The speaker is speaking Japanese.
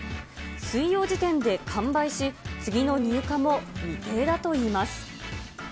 水曜時点で完売し、次の入荷も未定だといいます。